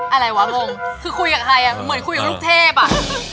อะไรวะมองคือคุยกับใครอะเหมือนคุยกับลูกเทพอะเดี๋ยวก่อน